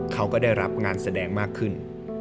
เขาก็ได้รับงานแสดงมากขึ้น